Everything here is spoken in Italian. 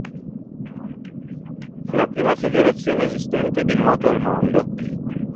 La prima federazione esistente di nuoto al mondo